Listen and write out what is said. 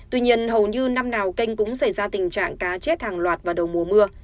tuy nhiên hầu như năm nào kênh cũng xảy ra tình trạng cá chết hàng loạt vào đầu mùa mưa